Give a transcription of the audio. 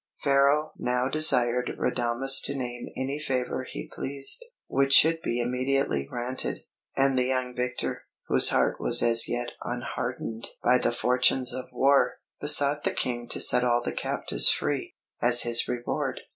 Pharaoh now desired Radames to name any favour he pleased, which should be immediately granted; and the young victor, whose heart was as yet unhardened by the fortunes of war, besought the King to set all the captives free, as his reward.